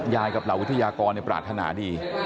ยายกับเราวิทยากรในปรารถนาดี